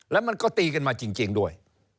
แล้วมันก็ตีกันมาจริงด้วย